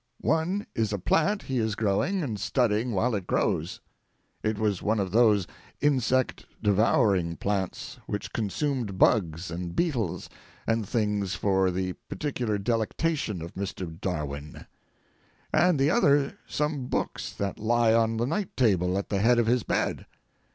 One is a plant he is growing and studying while it grows" (it was one of those insect devouring plants which consumed bugs and beetles and things for the particular delectation of Mr. Darwin) "and the other some books that lie on the night table at the head of his bed.